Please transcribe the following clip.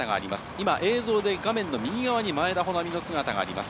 今、映像で画面の右側に前田穂南の姿があります。